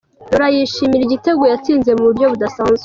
Laurent yishimira igitego yatsinze mu buryo budasanzwe.